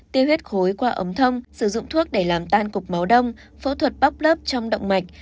tiêu huyết khối qua ấm thông sử dụng thuốc để làm tan cục máu đông phẫu thuật bóc lớp trong động mạch